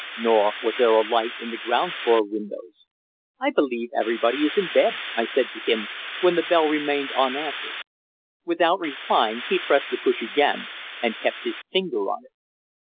Nor was there a light in the ground floor windows. "I believe everybody is in bed," I said to him, when the bell remained unanswered. Without replying, he pressed the push again, and kept his finger on it.